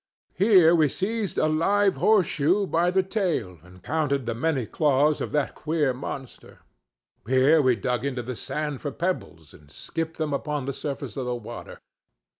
Here we seized a live horseshoe by the tail, and counted the many claws of that queer monster. Here we dug into the sand for pebbles, and skipped them upon the surface of the water.